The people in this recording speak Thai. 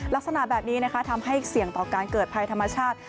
ลักษณะแบบนี้นะคะทำให้เสี่ยงต่อการเกิดภัยธรรมชาติ